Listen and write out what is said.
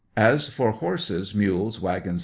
"As for horses, mules, wagons, &c.